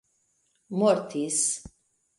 mortis